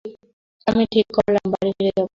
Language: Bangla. আমি ঠিক করলাম বাড়ি ফিরে যাব।